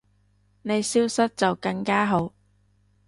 你消失就更加好